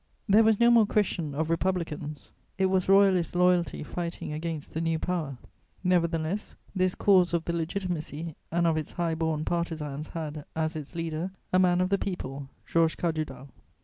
There was no more question of Republicans: it was Royalist loyalty fighting against the new power; nevertheless, this cause of the Legitimacy and of its high born partisans had, as its leader, a man of the people, Georges Cadoudal.